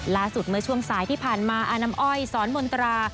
ล่าสุดเมื่อช่วงสายที่ผ่านมาอาน้ำอ้อยสอนมนตรา